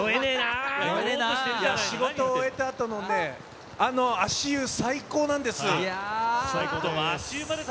仕事終えたあとの足湯、最高なんですよ。